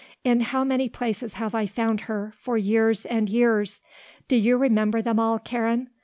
In how many places have I found her, for years and years; do you remember them all, Karen?